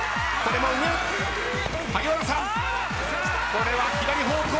これは左方向。